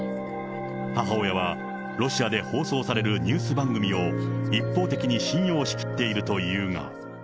母親はロシアで放送されるニュース番組を一方的に信用しきっているというが。